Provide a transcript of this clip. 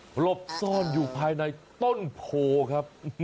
หลบซ่อนอยู่ภายในต้นโพครับ